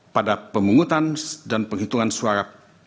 pada pemungutan dan penghitungan suara